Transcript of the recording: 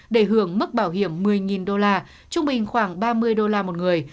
để hưởng mức bảo hiểm một mươi đô la trung bình khoảng ba mươi đô la một người